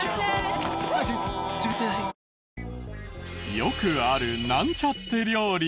よくあるなんちゃって料理。